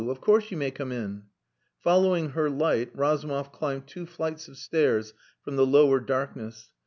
Of course you may come in." Following her light, Razumov climbed two flights of stairs from the lower darkness.